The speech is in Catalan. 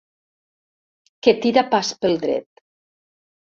Que tira pas pel dret.